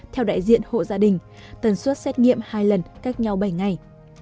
theo đại diện hộ gia đình tần suất xét nghiệm hai lần cách nhau bảy ngày